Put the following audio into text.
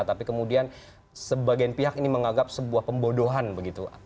tapi kemudian sebagian pihak ini menganggap sebuah pembodohan begitu